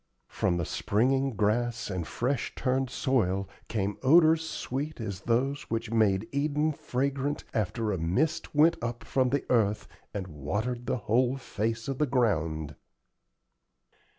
From the springing grass and fresh turned soil came odors sweet as those which made Eden fragrant after "a mist went up from the earth and watered the whole face of the ground."